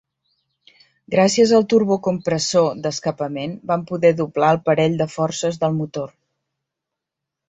Gràcies al turbocompressor d'escapament, vam poder doblar el parell de forces del motor.